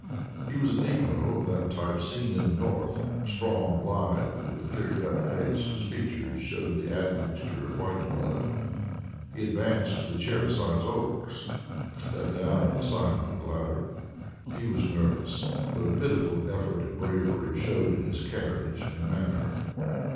He was a negro of that type seen in the North strong, lithe, with a clear cut face whose features showed the admixture of white blood. He advanced to the chair besides Oakes, and sat down at a sign from the latter. He was nervous, but a pitiful effort at bravery showed in his carriage and manner.